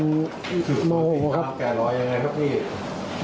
มันเป็นความแก่ร้อยยังไงครับพี่